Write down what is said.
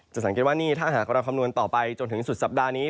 สังเกตว่านี่ถ้าหากเราคำนวณต่อไปจนถึงสุดสัปดาห์นี้